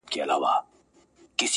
o دعا ، دعا ، دعا ،دعا كومه.